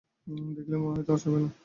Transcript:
দেখিলে মনে হইত আর সহিবে না।